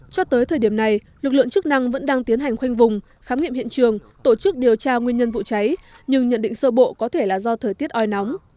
cho tới thời điểm này lực lượng chức năng vẫn đang tiến hành khoanh vùng khám nghiệm hiện trường tổ chức điều tra nguyên nhân vụ cháy nhưng nhận định sơ bộ có thể là do thời tiết oi nóng